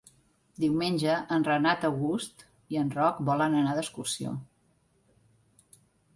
Diumenge en Renat August i en Roc volen anar d'excursió.